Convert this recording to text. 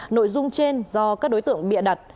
nội dung trên do các đối tượng bịa đặt